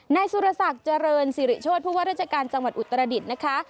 นายสุรศักดิ์เจริญสิริโชธผู้ว่าราชการจังหวัดอุตรดิษฐ์นะคะ